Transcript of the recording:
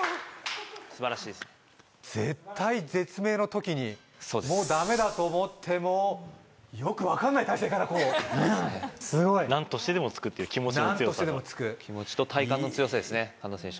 素晴らしいです絶体絶命のときにもうダメだと思ってもよくわかんない体勢からこううんすごい何としてでも突くっていう気持ちの強さと気持ちと体幹の強さですね加納選手